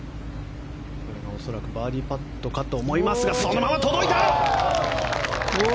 バーディーパットかと思いますがそのまま届いた！